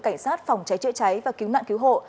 cảnh sát phòng cháy chữa cháy và cứu nạn cứu hộ